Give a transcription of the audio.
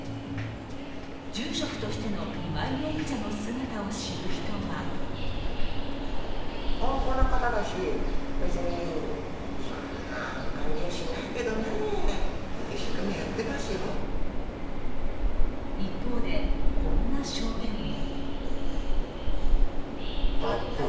住職としての今井容疑者の姿を知る人は一方で、こんな証言も。